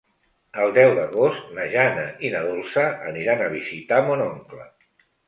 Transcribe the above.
El deu d'agost na Jana i na Dolça aniran a visitar mon oncle.